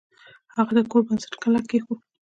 هغه د کور بنسټ کلک کیښود.